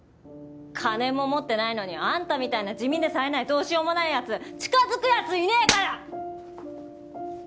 金も持ってないのにあんたみたいな地味でさえないどうしようもない奴近づく奴いねえから。